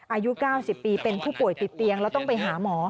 อายุ๙๐ปีเป็นผู้ป่วยติดเตียงแล้วต้องไปหาหมอ